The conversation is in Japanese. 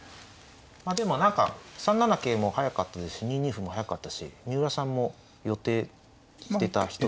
でも何か３七桂も速かったですし２二歩も速かったし三浦さんも予定してた一つ。